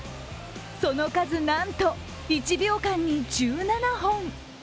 その数なんと１秒間に１７本。